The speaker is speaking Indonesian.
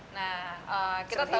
nah kita tau